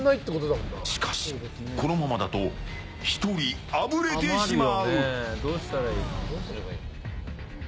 しかし、このままだと１人あぶれてしまう。